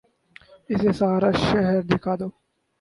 اسے سارا شہر دکھا دو